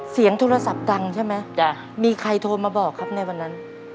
เสียงโทรศัพท์ดังใช่ไหมจ้ะมีใครโทรมาบอกครับในวันนั้น